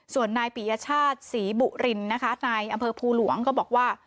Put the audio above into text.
ส่วนนายปียชาติศรีบุรินนะคะนายอำเภอภูหลวงก็บอกว่า